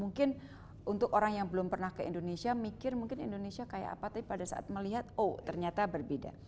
mungkin untuk orang yang belum pernah ke indonesia mikir mungkin indonesia kayak apa tapi pada saat melihat oh ternyata berbeda